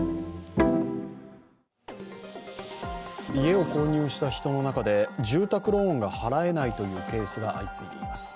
家を購入した人の中で住宅ローンが払えないというケースが相次いでいます。